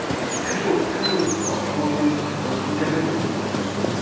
手の位置と頭の位置との関係性というのが大事なんですね。